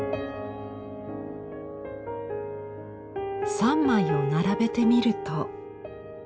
３枚を並べてみると。